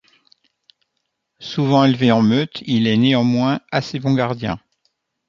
Souvent élevé en meute, il est néanmoins assez bon gardien.